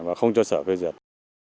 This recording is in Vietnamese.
và không cho sở phê duyệt